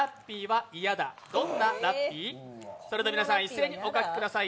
それでは皆さん、一斉にお書きください